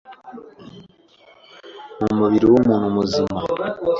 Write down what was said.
mu mubiri w’umuntu muzima